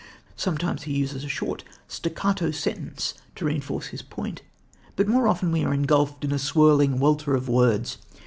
Sometimes he uses a short, staccato sentence to enforce his point, but more often we are engulfed in a swirling welter of words.